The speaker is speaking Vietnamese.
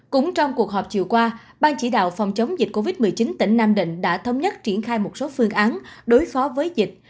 cũng trong cuộc họp chiều qua ban chỉ đạo phòng chống dịch covid một mươi chín tỉnh nam định đã thống nhất triển khai một số phương án đối phó với dịch